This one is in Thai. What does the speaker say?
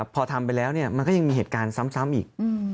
พอทำไปแล้วมันก็ยังมีเหตุการณ์ซ้ำอีก